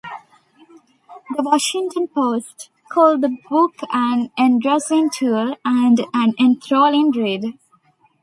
"The Washington Post" called the book an "engrossing tour" and an "enthralling read".